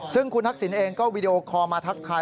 ซึ่งคุณทักษิณเองก็วีดีโอคอลมาทักทาย